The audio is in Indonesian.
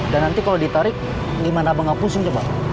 dan nanti kalau ditarik gimana abang gak pusing coba